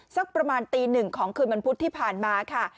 สักประมาณตี๑ของคืนบรรพุธที่ผ่านมาค่ะ